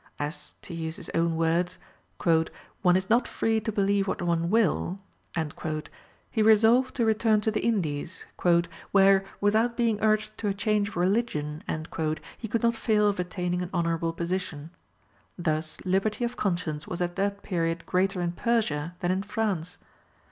As, to use his own words, "one is not free to believe what one will," he resolved to return to the Indies "where, without being urged to a change of religion," he could not fail of attaining an honourable position. Thus liberty of conscience was at that period greater in Persia than in France.